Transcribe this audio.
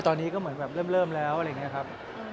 ตอนนี้ก็เหมือนแบบเริ่มแล้วอะไรอย่างนี้ครับ